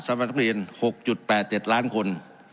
สำหรับนักเรียน๖๘๗ล้านคน